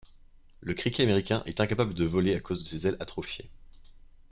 Le criquet américain est incapable de voler à cause de ses ailes atrophiées.